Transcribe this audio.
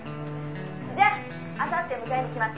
「じゃああさって迎えに来ます」